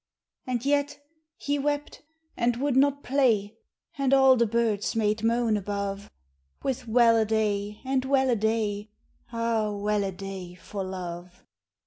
And yet he wept and would not play, And all the birds made moan above, With well a day and well a day, Ah ! well a day for love.